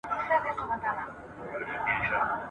شته مني لکه لولۍ چي د سړي غیږي ته لویږي ..